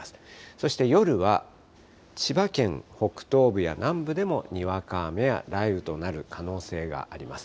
そして夜は、千葉県北東部や南部でもにわか雨や雷雨となる可能性があります。